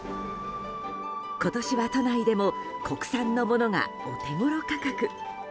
今年は都内でも国産のものがお手ごろ価格。